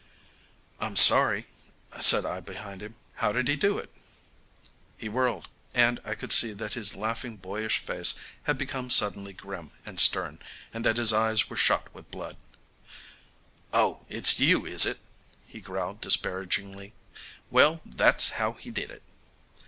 "I'm sorry," said I behind him. "How did he do it?" He whirled, and I could see that his laughing boyish face had become suddenly grim and stern, and that his eyes were shot with blood. "Oh, it's you, is it?" he growled disparagingly. "Well, that's how he did it."